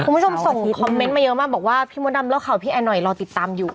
คุณผู้ชมส่งคอมเมนต์มาเยอะมากบอกว่าพี่มดดำเล่าข่าวพี่แอนหน่อยรอติดตามอยู่